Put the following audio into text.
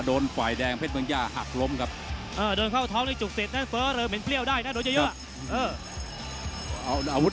โดนเข้าไป๓สอบแล้วแล้วใต้เมียอีกจับ